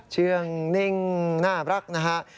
เชื่องนิ่งน่ารักนะฮะ